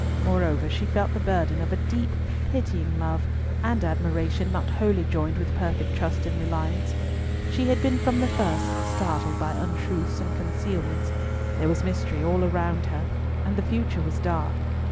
Moreover, she felt the burden of a deep, pitying love and admiration not wholly joined with perfect trust and reliance. She had been from the first startled by untruths and concealments. There was mystery all round her, and the future was dark.